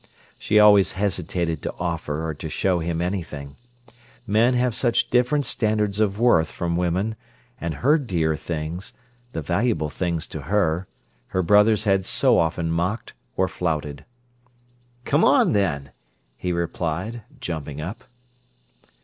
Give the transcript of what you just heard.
She always hesitated to offer or to show him anything. Men have such different standards of worth from women, and her dear things—the valuable things to her—her brothers had so often mocked or flouted. "Come on, then," he replied, jumping up.